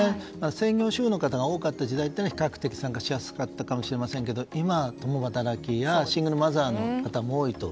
専業主婦の方が多かった時代は比較的参加しやすかったかもしれませんが今は共働きやシングルマザーの方も多いと。